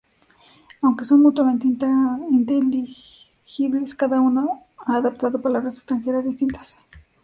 Aunque son mutuamente inteligibles, cada uno ha adaptado palabras extranjeras distintas.